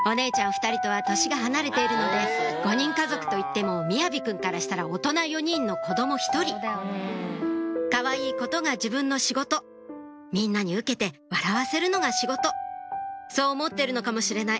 ２人とは年が離れているので５人家族といっても雅己くんからしたら大人４人の子供１人かわいいことが自分の仕事みんなにウケて笑わせるのが仕事そう思ってるのかもしれない